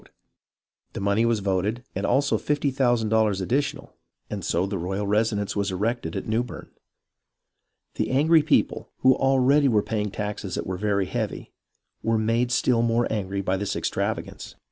The money was voted, and also fifty thousand dollars additional, and so the royal residence was erected at Newbern. The angry people, who already were paying taxes that were very heavy, were made still more angry by this extravagance.